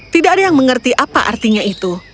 tidak ada yang mengerti apa artinya itu